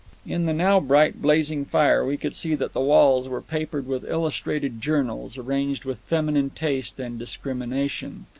In the now bright, blazing fire we could see that the walls were papered with illustrated journals, arranged with feminine taste and discrimination.